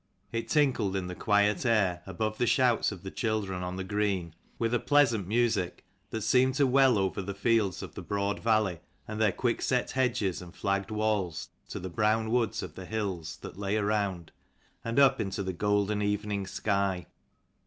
It tinkled in the quiet air, above the shouts of the children on the green, with a pleasant music that seemed to well over the fields of the broad valley, and their quickset hedges and flagged walls, to the brown woods of the hills that lay around, and up into the golden evening sky.